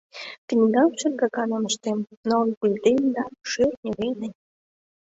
Книгам шергаканым ыштем: ныл гульден да шӧртньӧ дене.